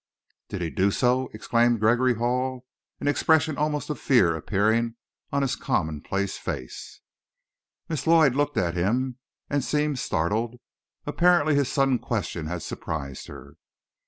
"Did he do so?" exclaimed Gregory Hall, an expression almost of fear appearing on his commonplace face. Miss Lloyd looked at him, and seemed startled. Apparently his sudden question had surprised her. Mr.